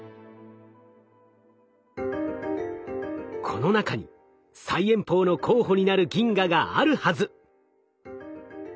この中に最遠方の候補になる銀河があるはず！